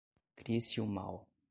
Crissiumal